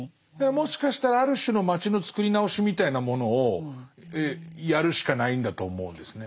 もしかしたらある種の街のつくり直しみたいなものをやるしかないんだと思うんですね。